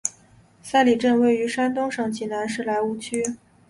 寨里镇位于山东省济南市莱芜区。